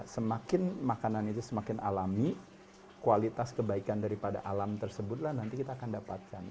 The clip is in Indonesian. semakin makanan itu semakin alami kualitas kebaikan daripada alam tersebutlah nanti kita akan dapatkan